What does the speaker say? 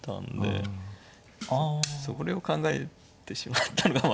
それを考えてしまったがまた。